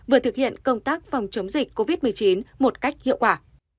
vừa thực hiện công tác phòng chống dịch covid một mươi chín một cách hiệu quả